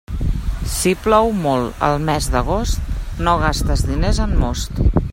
Si plou molt al mes d'agost, no gastes diners en most.